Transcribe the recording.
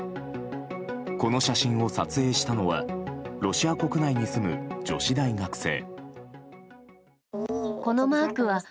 この写真を撮影したのはロシア国内に住む女子大学生。